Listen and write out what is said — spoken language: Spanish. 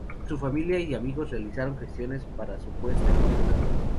Su familia y amigos realizaron gestiones para su puesta en libertad.